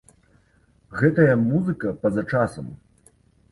Гэтая музыка па-за часам!